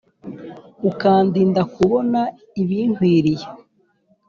ukandinda kubona ibinkwiriye